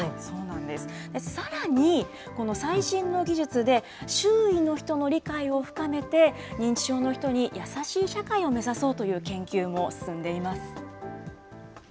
さらに、最新の技術で、周囲の人の理解を深めて、認知症の人に優しい社会を目指そうという研究も進んでいます。